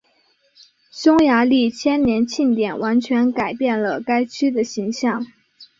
匈牙利千年庆典完全改变了该区的形象。